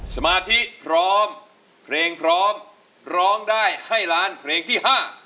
สมาธิพร้อมเพลงพร้อมร้องได้ให้ล้านเพลงที่ห้า